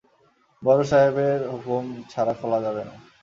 বড়সাহেবের হুকুম ছাড়া খোলা যাবে না।